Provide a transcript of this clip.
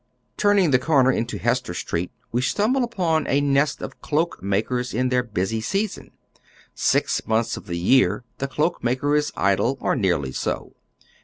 Turning the comer into Hester Street, we stumble upon a neat of cloak makers in their busy season. Six months of the year the cloak maker is idle, or nearly so.